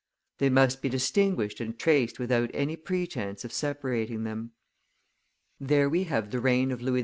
They must be distinguished and traced without any pretence of separating them. There we have the reign of Louis XV.